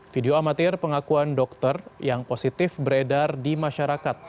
video amatir pengakuan dokter yang positif beredar di masyarakat